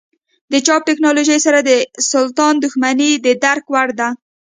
د چاپ ټکنالوژۍ سره د سلطان دښمني د درک وړ ده.